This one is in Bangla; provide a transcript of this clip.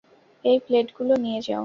এই প্লেটগুলো নিয়ে যাও!